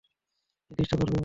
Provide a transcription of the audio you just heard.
নির্দিষ্ট করবে বলো।